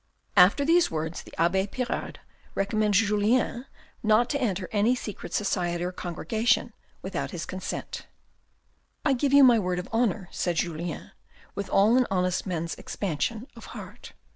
After these words, the abbee Pirard recommended Julien THE SEMINARY 181 not to enter any secret society or congregation without his consent. " I give you my word of honour," said Julien, with all an honest man's expansion of heart.